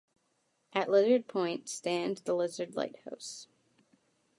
At Lizard Point stands the Lizard Lighthouse.